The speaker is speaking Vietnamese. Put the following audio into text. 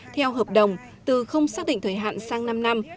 theo hợp đồng từ không xác định thời hạn sang năm năm